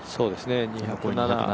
２０７